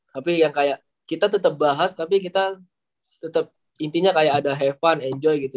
tapi yang kayak kita tetap bahas tapi kita tetap intinya kayak ada have fun enjoy gitu